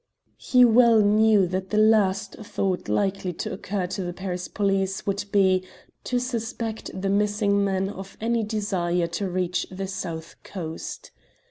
He well knew that the last thought likely to occur to the Paris police would be to suspect the missing men of any desire to reach the south coast.